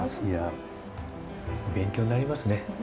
いや勉強になりますね